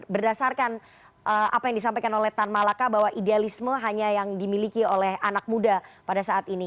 berdasarkan apa yang disampaikan oleh tan malaka bahwa idealisme hanya yang dimiliki oleh anak muda pada saat ini